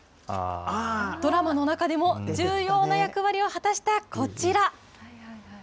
ドラマの中でも重要な役割を果たしたこちら。